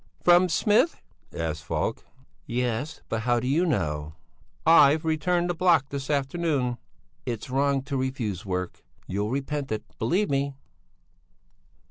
"From Smith?" asked Falk. "Yes; but how do you know?" "I've returned the block this afternoon." "It's wrong to refuse work. You'll repent it! Believe me."